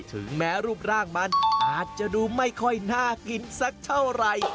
ถึงแม้รูปร่างมันอาจจะดูไม่ค่อยน่ากินสักเท่าไหร่